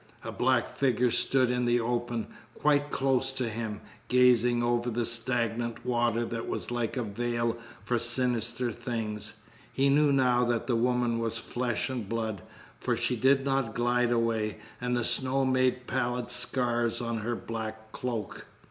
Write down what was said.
A black figure stood in the open, quite close to him, gazing over the stagnant water that was like a veil for sinister things. He knew now that the woman was flesh and blood, for she did not glide away, and the snow made pallid scars on her black cloak.